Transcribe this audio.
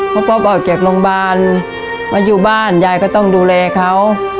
เพราะป๊อปออกจากโรงพยาบาลมาอยู่บ้านยายก็ต้องดูแลเขา